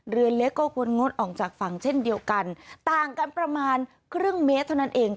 เรือเล็กก็ควรงดออกจากฝั่งเช่นเดียวกันต่างกันประมาณครึ่งเมตรเท่านั้นเอง